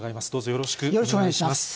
よろしくお願いします。